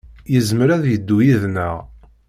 Yezmer ad yeddu yid-neɣ.